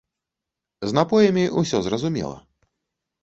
З напоямі ўсё зразумела.